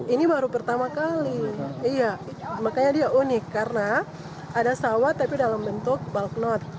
ini baru pertama kali makanya dia unik karena ada sawah tapi dalam bentuk balknot